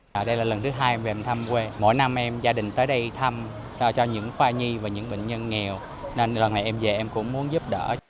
mỗi năm em gia đình tới đây thăm cho những khoa nhi và những bệnh nhân nghèo nên lần này em về em cũng muốn giúp đỡ